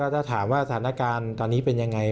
ถ้าถามว่าสถานการณ์ตอนนี้เป็นยังไง